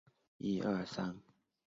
生于土佐国吹井村。